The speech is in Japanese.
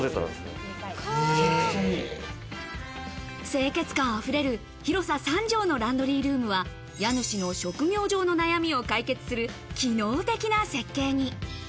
清潔感あふれる広さ３畳のランドリールームは、家主の職業上の悩みを解決する機能的な設計に。